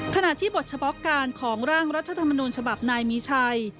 ขณะที่บทเฉพาะการของร่างรัฐธรรมนูญฉบับนายมีชัย